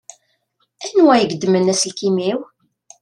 Anwa i yeddmen aselkim-iw?